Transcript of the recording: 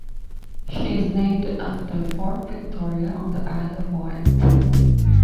She is named after Fort Victoria on the Isle of Wight.